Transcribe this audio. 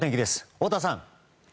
太田さん。